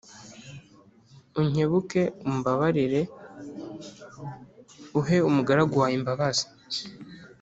Unkebuke umbabarire Uhe umugaragu wawe imbabazi